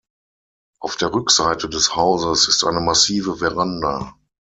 Auf der Rückseite des Hauses ist eine massive Veranda.